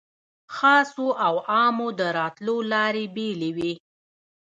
خاصو او عامو د راتلو لارې بېلې وې.